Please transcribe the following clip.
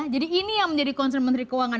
jadi ini yang menjadi concern menteri keuangan